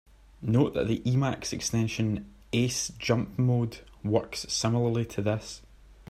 Note that the Emacs extension "Ace jump mode" works similarly to this.